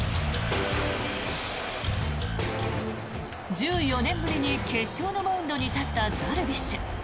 １４年ぶりに決勝のマウンドに立ったダルビッシュ。